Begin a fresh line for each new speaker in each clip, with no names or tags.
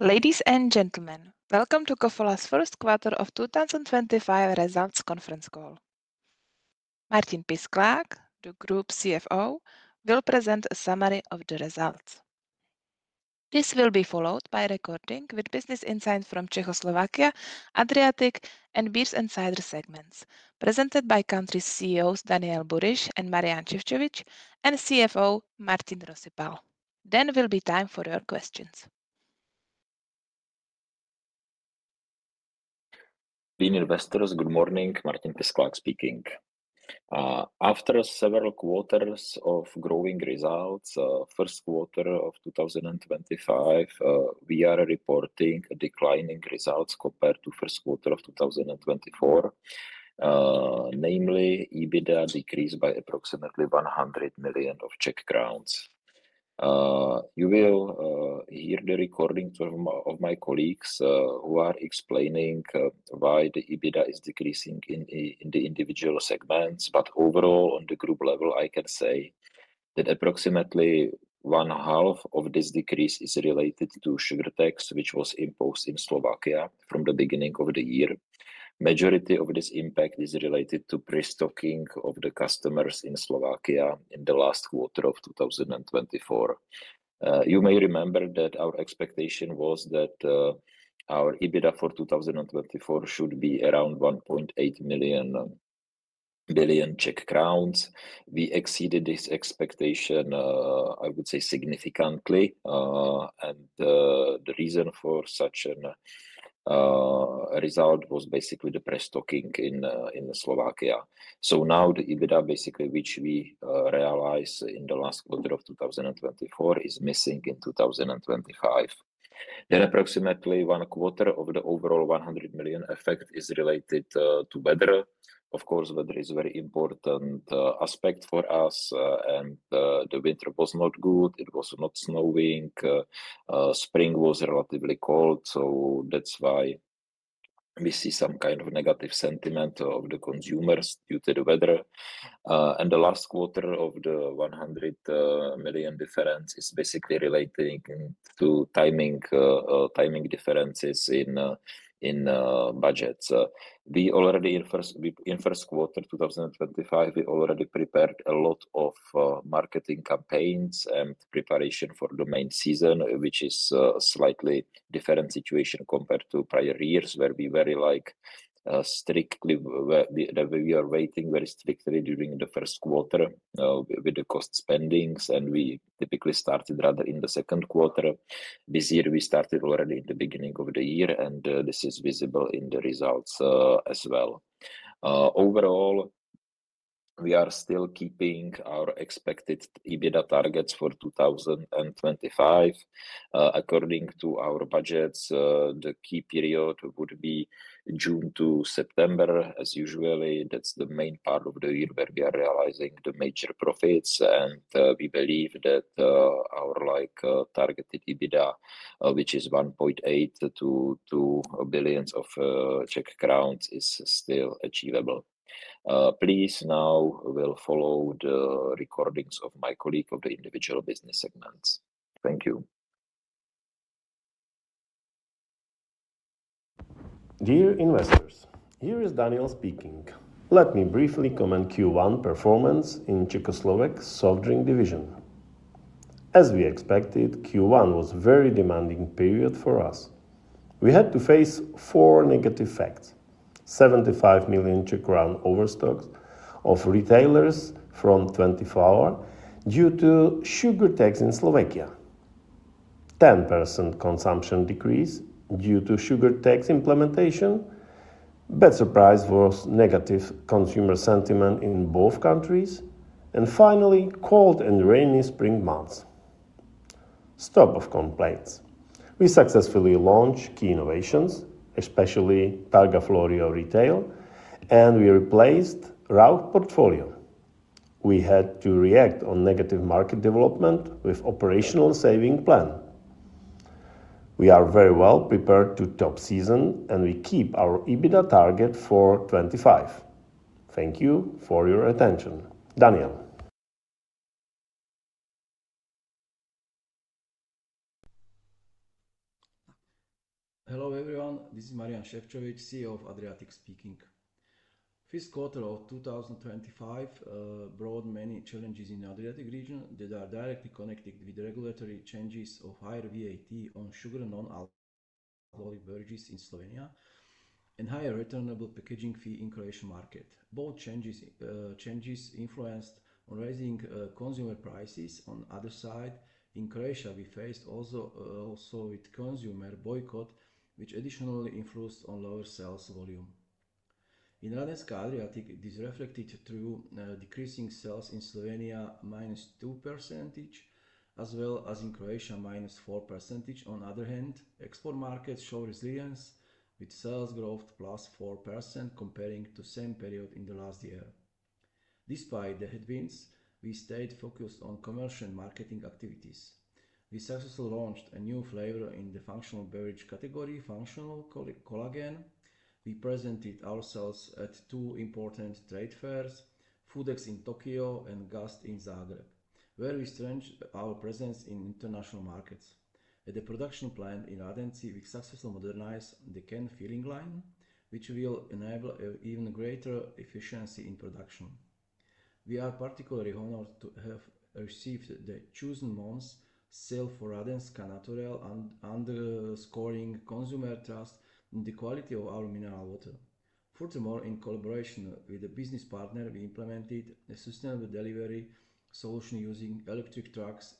Ladies and gentlemen, welcome to Kofola's First Quarter of 2025 Results Conference Call. Martin Pisklák, the Group CFO, will present a summary of the results. This will be followed by a recording with Business Insights from Czechoslovakia, Adriatic, and Beers Insider segments, presented by countries' CEOs Daniel Buryš and Marián Šefčovič, and CFO Martin Pisklák. It will then be time for your questions.
Dear Investors, good morning. Martin Pisklák speaking. After several quarters of growing results, first quarter of 2025, we are reporting declining results compared to first quarter of 2024, namely EBITDA decreased by approximately 100 million. You will hear the recording of my colleagues who are explaining why the EBITDA is decreasing in the individual segments, but overall, on the group level, I can say that approximately one half of this decrease is related to sugar tax, which was imposed in Slovakia from the beginning of the year. The majority of this impact is related to pre-stocking of the customers in Slovakia in the last quarter of 2024. You may remember that our expectation was that our EBITDA for 2024 should be around 1.8 billion Czech crowns. We exceeded this expectation, I would say, significantly, and the reason for such a result was basically the pre-stocking in Slovakia. Now the EBITDA, basically, which we realized in the last quarter of 2024, is missing in 2025. Approximately one quarter of the overall 100 million effect is related to weather. Of course, weather is a very important aspect for us, and the winter was not good. It was not snowing. Spring was relatively cold, so that is why we see some kind of negative sentiment of the consumers due to the weather. The last quarter of the 100 million difference is basically relating to timing differences in budgets. In first quarter 2025, we already prepared a lot of marketing campaigns and preparation for the main season, which is a slightly different situation compared to prior years, where we were waiting very strictly during the first quarter with the cost spendings, and we typically started rather in the second quarter. This year we started already at the beginning of the year, and this is visible in the results as well. Overall, we are still keeping our expected EBITDA targets for 2025. According to our budgets, the key period would be June to September. As usual, that is the main part of the year where we are realizing the major profits, and we believe that our targeted EBITDA, which is 1.8 billion-2 billion, is still achievable. Please now follow the recordings of my colleague of the individual business segments. Thank you.
Dear investors, here is Daniel speaking. Let me briefly comment on Q1 performance in Czechoslovak soft drink division. As we expected, Q1 was a very demanding period for us. We had to face four negative facts: 75 million Czech crown overstock of retailers from 24 hours due to sugar tax in Slovakia, 10% consumption decrease due to sugar tax implementation, better price versus negative consumer sentiment in both countries, and finally, cold and rainy spring months. Stop of complaints. We successfully launched key innovations, especially Targa Florio retail, and we replaced Rauch portfolio. We had to react to negative market development with an operational saving plan. We are very well prepared to top season, and we keep our EBITDA target for 2025. Thank you for your attention. Daniel.
Hello everyone, this is Marián Šefčovič, CEO of Adriatic speaking. Fifth quarter of 2025 brought many challenges in the Adriatic region that are directly connected with regulatory changes of higher VAT on sugar non-alcoholic beverages in Slovenia and higher returnable packaging fee in the Croatian market. Both changes influenced on raising consumer prices. On the other side, in Croatia, we faced also with consumer boycott, which additionally influenced on lower sales volume. In Radenska Adriatic, this reflected through decreasing sales in Slovenia, minus 2%, as well as in Croatia, minus 4%. On the other hand, export markets show resilience with sales growth plus 4% comparing to the same period in the last year. Despite the headwinds, we stayed focused on commercial and marketing activities. We successfully launched a new flavor in the functional beverage category, functional collagen. We presented ourselves at two important trade fairs, FUDEX in Tokyo and GUST in Zagreb, where we strengthened our presence in international markets. At the production plant in Radenci, we successfully modernized the CAN filling line, which will enable even greater efficiency in production. We are particularly honored to have received the chosen month's sale for Radenska Naturel and scoring consumer trust in the quality of our mineral water. Furthermore, in collaboration with a business partner, we implemented a sustainable delivery solution using electric trucks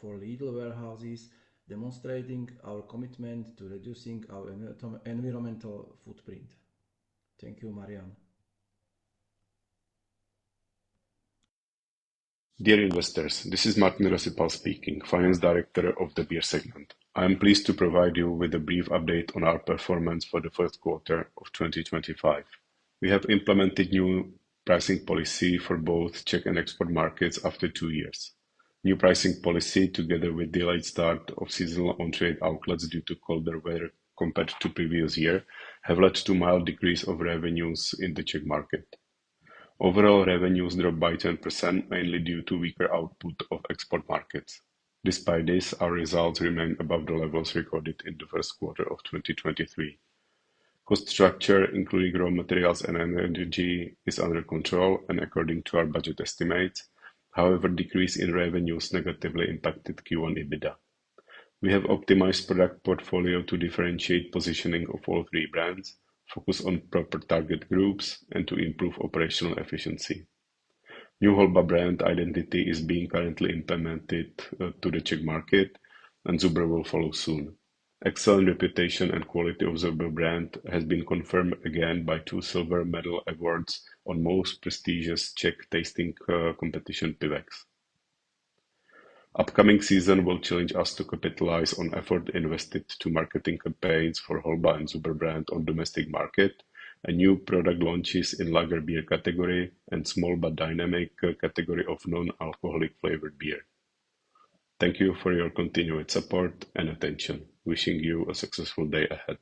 for little warehouses, demonstrating our commitment to reducing our environmental footprint. Thank you, Marián.
Dear investors, this is Martin Pisklák speaking, Finance Director of the Beer Segment. I am pleased to provide you with a brief update on our performance for the first quarter of 2025. We have implemented new pricing policy for both Czech and export markets after two years. New pricing policy, together with the late start of seasonal on-trade outlets due to colder weather compared to the previous year, have led to a mild decrease of revenues in the Czech market. Overall revenues dropped by 10%, mainly due to weaker output of export markets. Despite this, our results remain above the levels recorded in the first quarter of 2023. Cost structure, including raw materials and energy, is under control and according to our budget estimates. However, a decrease in revenues negatively impacted Q1 EBITDA. We have optimized the product portfolio to differentiate the positioning of all three brands, focus on proper target groups, and to improve operational efficiency. New Holba brand identity is being currently implemented to the Czech market, and Zuber will follow soon. Excellent reputation and quality of Zuber brand have been confirmed again by two silver medal awards on the most prestigious Czech tasting competition, Pivex. Upcoming season will challenge us to capitalize on effort invested in marketing campaigns for Holba and Zuber brand on the domestic market, and new product launches in the lager beer category and small but dynamic category of non-alcoholic flavored beer. Thank you for your continued support and attention. Wishing you a successful day ahead.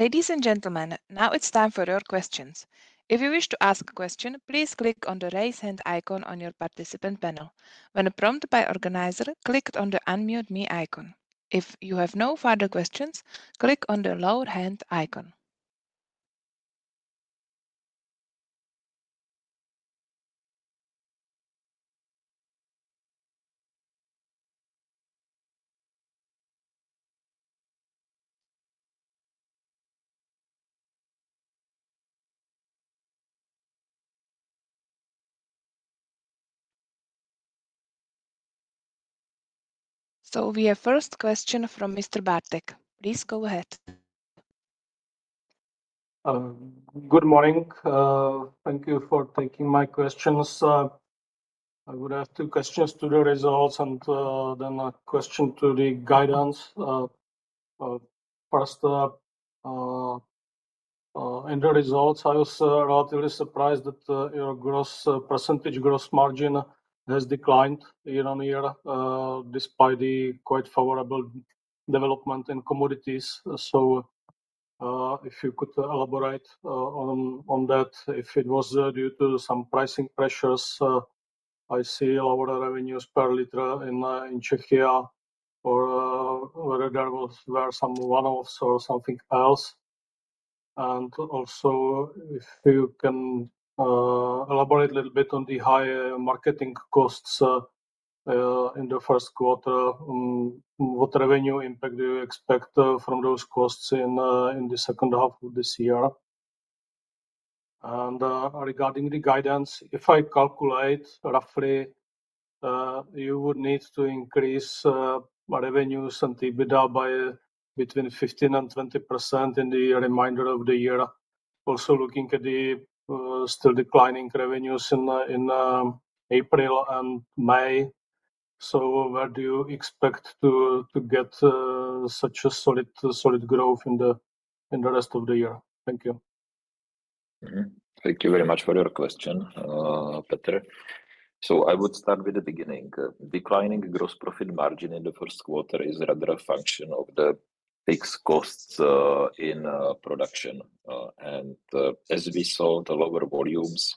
Ladies and gentlemen, now it's time for your questions. If you wish to ask a question, please click on the raise hand icon on your participant panel. When prompted by the organizer, click on the unmute me icon. If you have no further questions, click on the lower hand icon. We have a first question from Mr. Bartek. Please go ahead.
Good morning. Thank you for taking my questions. I would have two questions to the results and then a question to the guidance. First, in the results, I was relatively surprised that your percentage gross margin has declined year on year despite the quite favorable development in commodities. If you could elaborate on that, if it was due to some pricing pressures, I see lower revenues per liter in Czechia, or whether there were some one-offs or something else. Also, if you can elaborate a little bit on the high marketing costs in the first quarter, what revenue impact do you expect from those costs in the second half of this year? Regarding the guidance, if I calculate roughly, you would need to increase revenues and EBITDA by between 15-20% in the remainder of the year. Also looking at the still declining revenues in April and May, where do you expect to get such a solid growth in the rest of the year? Thank you.
Thank you very much for your question, Peter. I would start with the beginning. Declining gross profit margin in the first quarter is rather a function of the fixed costs in production. As we saw, the lower volumes,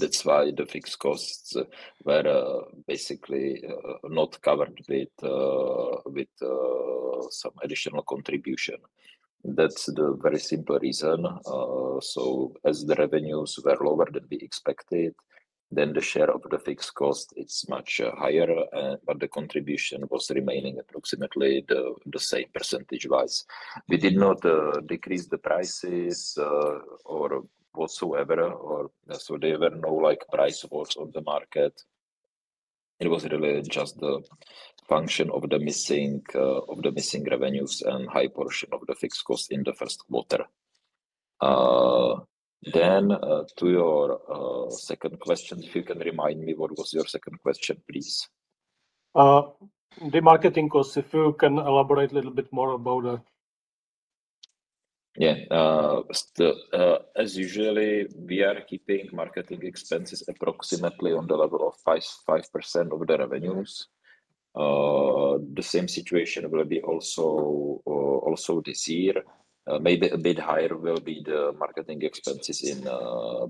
that's why the fixed costs were basically not covered with some additional contribution. That's the very simple reason. As the revenues were lower than we expected, the share of the fixed costs is much higher, but the contribution was remaining approximately the same percentage-wise. We did not decrease the prices or whatsoever, so there were no like price wars on the market. It was really just the function of the missing revenues and high portion of the fixed costs in the first quarter. To your second question, if you can remind me what was your second question, please.
The marketing costs, if you can elaborate a little bit more about that?
Yeah. As usual, we are keeping marketing expenses approximately on the level of 5% of the revenues. The same situation will be also this year. Maybe a bit higher will be the marketing expenses in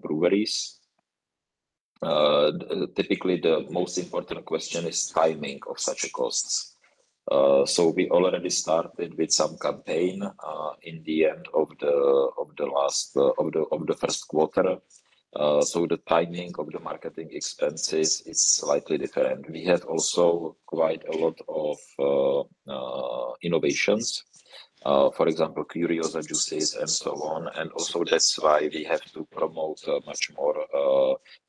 breweries. Typically, the most important question is timing of such costs. We already started with some campaign in the end of the last of the first quarter. The timing of the marketing expenses is slightly different. We had also quite a lot of innovations, for example, CureJuices and so on. Also, that is why we have to promote much more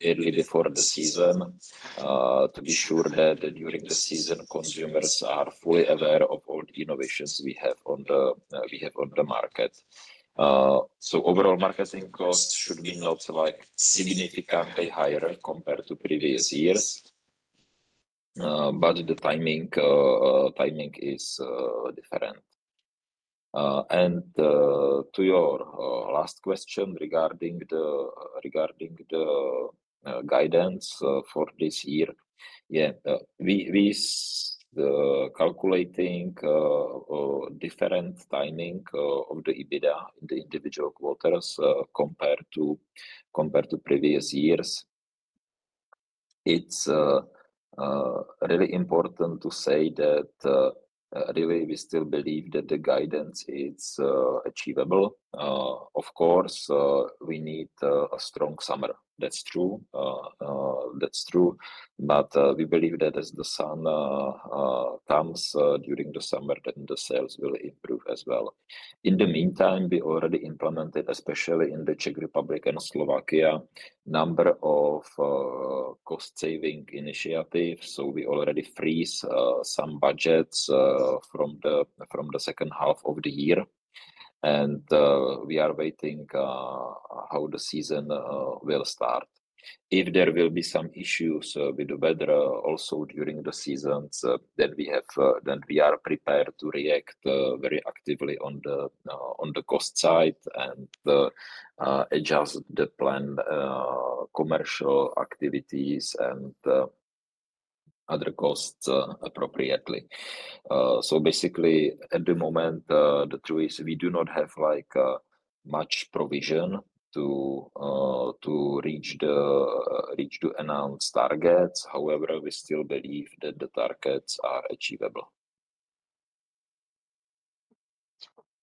early before the season to be sure that during the season consumers are fully aware of all the innovations we have on the market. Overall marketing costs should be not like significantly higher compared to previous years, but the timing is different. To your last question regarding the guidance for this year, yeah, we are calculating different timing of the EBITDA in the individual quarters compared to previous years. It's really important to say that really we still believe that the guidance is achievable. Of course, we need a strong summer. That's true. That's true. We believe that as the sun comes during the summer, then the sales will improve as well. In the meantime, we already implemented, especially in the Czech Republic and Slovakia, a number of cost-saving initiatives. We already freeze some budgets from the second half of the year. We are waiting how the season will start. If there will be some issues with the weather also during the seasons, we are prepared to react very actively on the cost side and adjust the plan, commercial activities, and other costs appropriately. Basically, at the moment, the truth is we do not have much provision to reach the announced targets. However, we still believe that the targets are achievable.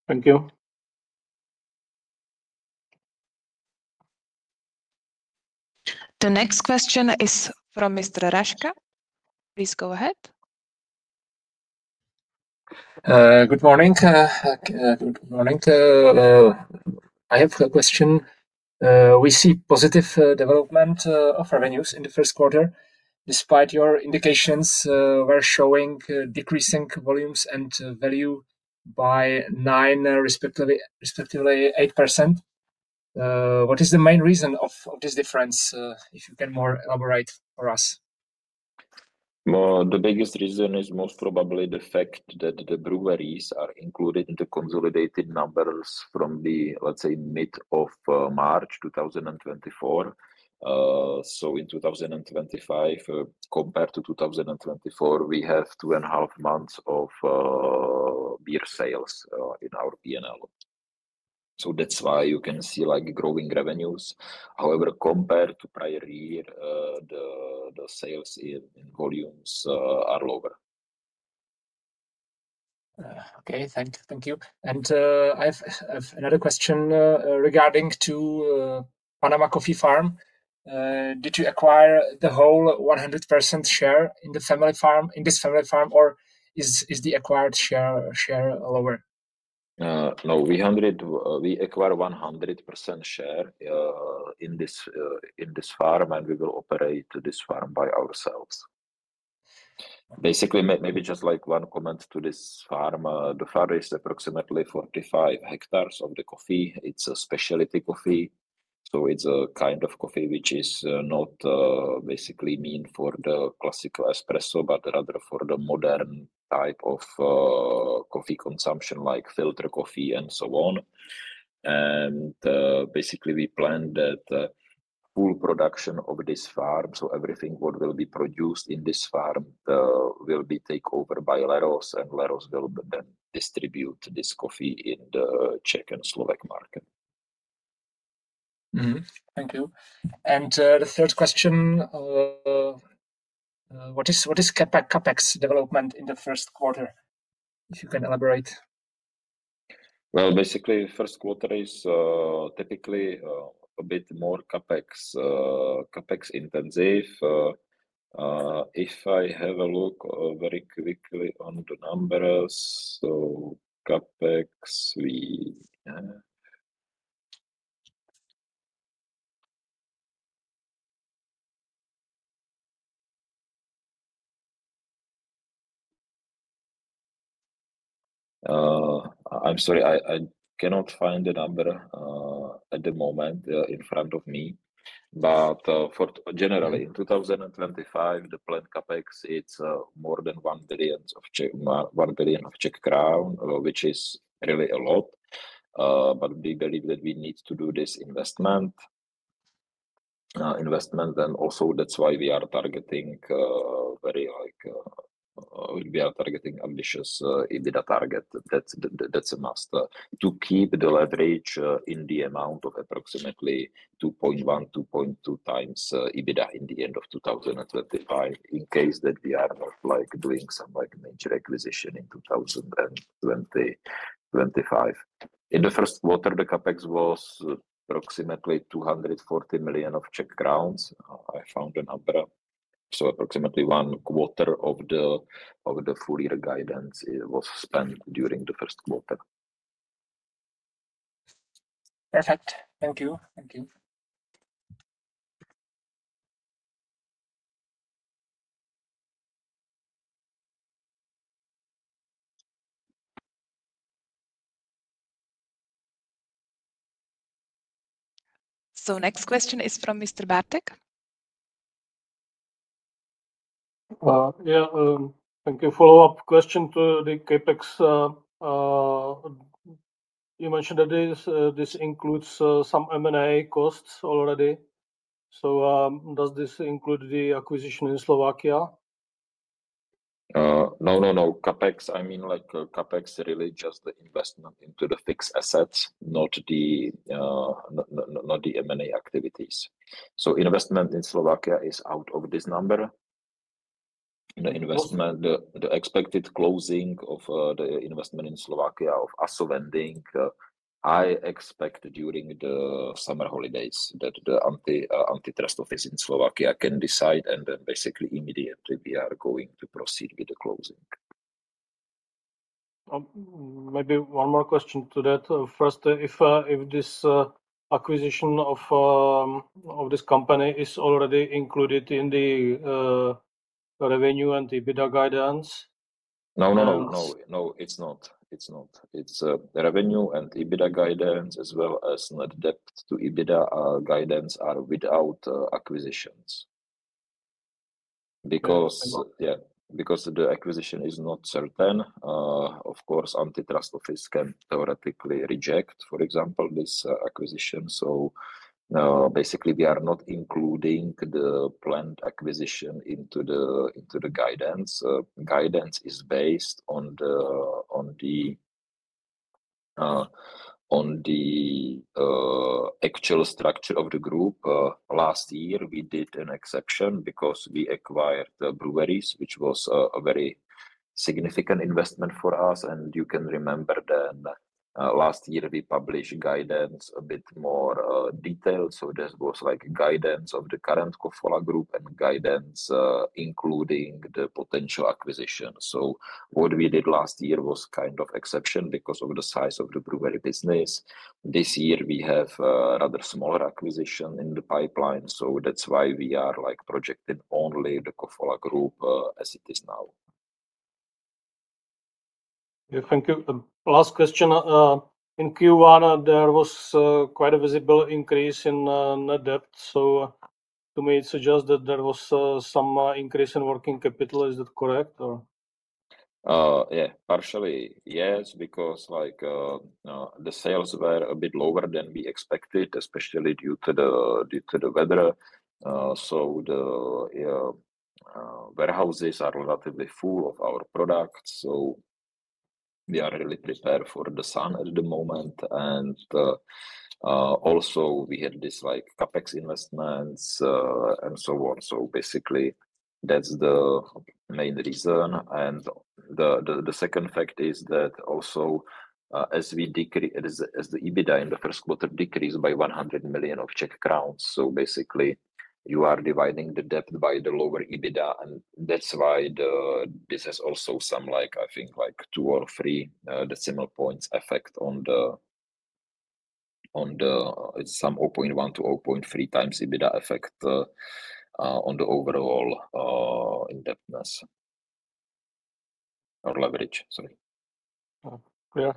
Thank you.
The next question is from Mr. Raška. Please go ahead.
Good morning. I have a question. We see positive development of revenues in the first quarter. Despite your indications, we are showing decreasing volumes and value by 9%, respectively 8%. What is the main reason of this difference? If you can more elaborate for us.
The biggest reason is most probably the fact that the breweries are included in the consolidated numbers from the, let's say, mid of March 2024. In 2025, compared to 2024, we have two and a half months of beer sales in our P&L. That's why you can see growing revenues. However, compared to the prior year, the sales in volumes are lower.
Okay. Thank you. I have another question regarding Panama Coffee Farm. Did you acquire the whole 100% share in this family farm, or is the acquired share lower?
No, we acquire 100% share in this farm, and we will operate this farm by ourselves. Basically, maybe just like one comment to this farm. The farm is approximately 45 hectares of the coffee. It's a specialty coffee. It's a kind of coffee which is not basically meant for the classical espresso, but rather for the modern type of coffee consumption, like filter coffee and so on. Basically, we planned that full production of this farm, so everything what will be produced in this farm will be taken over by Leros, and Leros will then distribute this coffee in the Czech and Slovak market.
Thank you. The third question, what is CAPEX development in the first quarter? If you can elaborate.
Basically, the first quarter is typically a bit more CAPEX-intensive. If I have a look very quickly on the numbers, CAPEX, we have. I'm sorry, I cannot find the number at the moment in front of me. Generally, in 2025, the planned CAPEX is more than 1 billion, which is really a lot. We believe that we need to do this investment. Investment, and also that's why we are targeting very, like, we are targeting ambitious EBITDA target. That's a must to keep the leverage in the amount of approximately 2.1-2.2 times EBITDA in the end of 2025, in case that we are not, like, doing some major acquisition in 2025. In the first quarter, the CAPEX was approximately 240 million. I found a number. Approximately one quarter of the full year guidance was spent during the first quarter.
Perfect. Thank you. Thank you.
Next question is from Mr. Bartek.
Yeah. Thank you. Follow-up question to the CAPEX. You mentioned that this includes some M&A costs already. Does this include the acquisition in Slovakia?
No, no, no. CAPEX, I mean like CAPEX really just the investment into the fixed assets, not the M&A activities. So investment in Slovakia is out of this number. The expected closing of the investment in Slovakia of ASO Vending, I expect during the summer holidays that the Antitrust Office in Slovakia can decide, and then basically immediately we are going to proceed with the closing.
Maybe one more question to that. First, is this acquisition of this company already included in the revenue and EBITDA guidance?
No, no, no. No, it's not. It's not. Revenue and EBITDA guidance as well as net debt to EBITDA guidance are without acquisitions. Because, yeah, because the acquisition is not certain. Of course, Antitrust Office can theoretically reject, for example, this acquisition. Basically, we are not including the planned acquisition into the guidance. Guidance is based on the actual structure of the group. Last year, we did an exception because we acquired breweries, which was a very significant investment for us. You can remember then last year we published guidance a bit more detailed. This was like guidance of the current Kofola Group and guidance including the potential acquisition. What we did last year was kind of exception because of the size of the brewery business. This year, we have rather smaller acquisition in the pipeline. That's why we are projecting only the Kofola Group as it is now.
Yeah. Thank you. Last question. In Q1, there was quite a visible increase in net debt. So to me, it suggests that there was some increase in working capital. Is that correct?
Yeah. Partially yes, because the sales were a bit lower than we expected, especially due to the weather. The warehouses are relatively full of our products. We are really prepared for the sun at the moment. We had these CAPEX investments and so on. Basically, that's the main reason. The second fact is that also as the EBITDA in the first quarter decreased by 100 million. Basically, you are dividing the debt by the lower EBITDA. That's why this has also some, like, I think, like two or three decimal points effect on the, some 0.1-0.3 times EBITDA effect on the overall indebtedness or leverage. Sorry.
Yeah.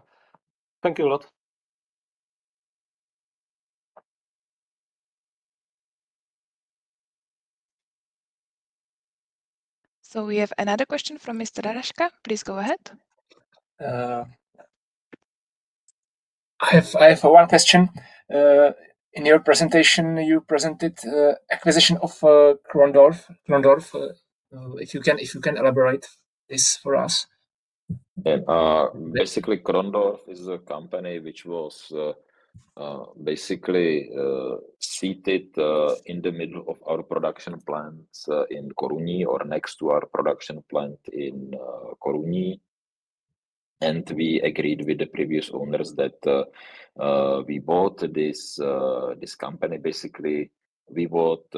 Thank you a lot.
We have another question from Mr. Raška. Please go ahead.
I have one question. In your presentation, you presented acquisition of Krondorf. If you can elaborate this for us.
Yeah. Basically, Krondorf is a company which was basically seated in the middle of our production plant in Korunní or next to our production plant in Korunní. We agreed with the previous owners that we bought this company. Basically, we bought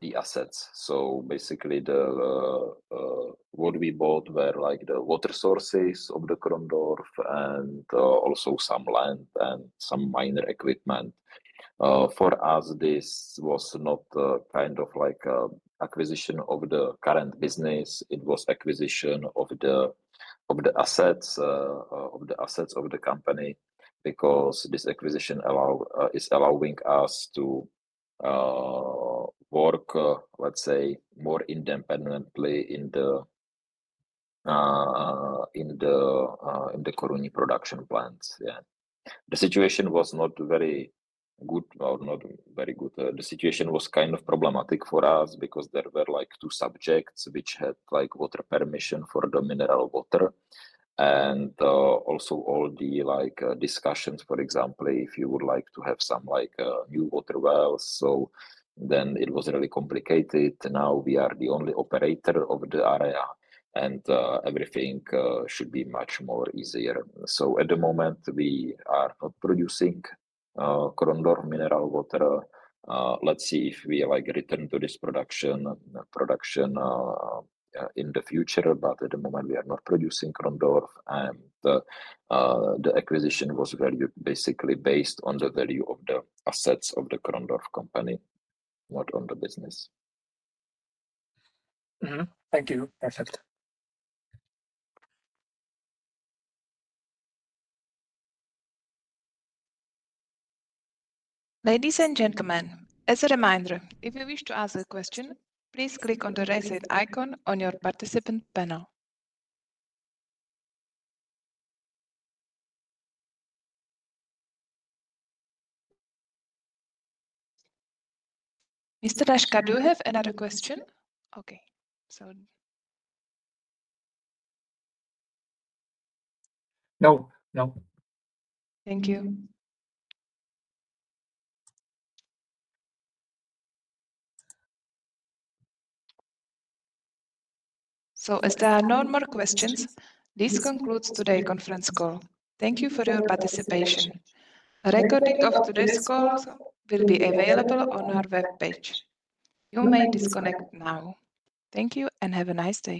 the assets. So basically, what we bought were like the water sources of the Krondorf and also some land and some minor equipment. For us, this was not kind of like acquisition of the current business. It was acquisition of the assets of the company because this acquisition is allowing us to work, let's say, more independently in the Korunní production plants. Yeah. The situation was not very good or not very good. The situation was kind of problematic for us because there were like two subjects which had like water permission for the mineral water. Also, all the discussions, for example, if you would like to have some new water wells, it was really complicated. Now we are the only operator of the area, and everything should be much easier. At the moment, we are not producing Krondorf mineral water. Let's see if we return to this production in the future. At the moment, we are not producing Krondorf. The acquisition was basically based on the value of the assets of the Krondorf company, not on the business.
Thank you. Perfect.
Ladies and gentlemen, as a reminder, if you wish to ask a question, please click on the reset icon on your participant panel. Mr. Raška, do you have another question? Okay.
No. No.
Thank you. So as there are no more questions, this concludes today's conference call. Thank you for your participation. A recording of today's call will be available on our webpage. You may disconnect now. Thank you and have a nice day.